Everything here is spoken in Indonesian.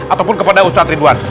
ataupun kepada ustadz ridwan